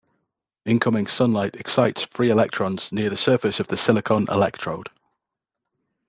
Incoming sunlight excites free electrons near the surface of the silicon electrode.